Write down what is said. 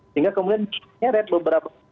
sehingga kemudian menyeret beberapa